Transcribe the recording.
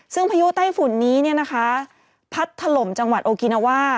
ซึ่งพายุใต้ฝุ่นนี้พัดถล่มจังหวัดโอกินาว่า